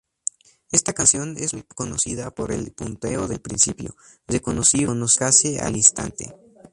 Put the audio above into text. Esta canción es muy conocida por el punteo del principio, reconocible casi al instante.